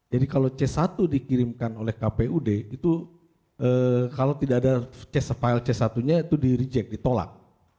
jadi kalau c satu dikirimkan oleh kpud itu kalau tidak ada file c satu nya itu di reject ditolak